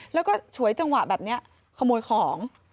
แล้วก็ฉวยจังหวะแบบนี้ขโมยของ